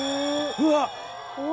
うわっ。